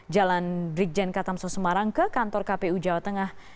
jalan brigjen katamso semarang ke kantor kpu jawa tengah